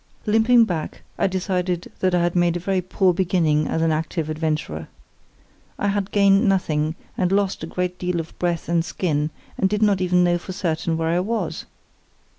Limping back, I decided that I had made a very poor beginning as an active adventurer. I had gained nothing, and lost a great deal of breath and skin, and did not even know for certain where I was.